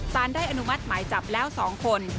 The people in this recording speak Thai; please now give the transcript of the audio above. สารได้อนุมัติหมายจับแล้ว๒คน